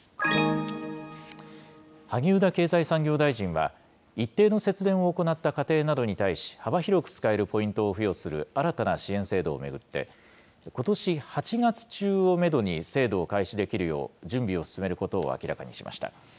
萩生田経済産業大臣は、一定の節電を行った家庭などに対し、幅広く使えるポイントを付与する新たな支援制度を巡って、ことし８月中をメドに、制度を開始できるよう準備を進めることを明らかにしました。